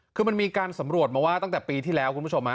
คือมันมีการสำรวจมาว่าตั้งแต่ปีที่แล้วคุณผู้ชม